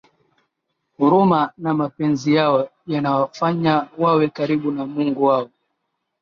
Huruma na mapenzi yao yanawafanya wawe karibu na Mungu wao